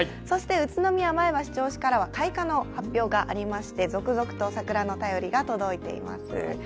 そして宇都宮、前橋、銚子からは開花の発表がありまして、続々と桜の便りが届いています。